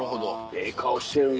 ええ顔してるね。